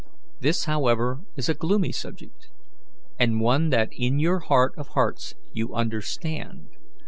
"This, however, is a gloomy subject, and one that in your heart of hearts you understand.